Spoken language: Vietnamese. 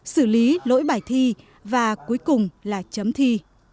xử lý lỗi bài thi và cuối cùng là chấm thi